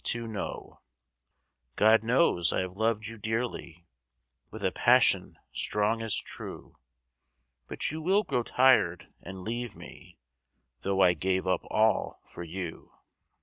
God knows I have loved you dearly, With a passion strong as true; But you will grow tired and leave me, Though I gave up all for you.